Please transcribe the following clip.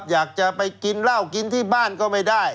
อยากจะไปกินเหล้ากินที่บ้านก็ไม่ได้